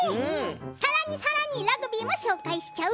さらにさらにラグビーも紹介しちゃう。